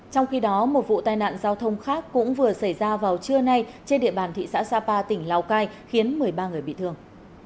trong khi đó một vụ tai nạn giao thông khác cũng vừa xảy ra vào trưa nay trên địa bàn thị xã sapa tỉnh lào cai khiến một mươi ba người bị thương